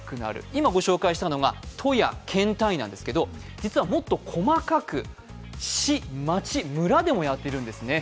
今、ご紹介したのが都や県単位なんですが、実はもっと細かく市、町、村でもやっているんですね。